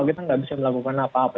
kita nggak bisa melakukan apa apa